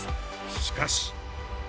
しかし。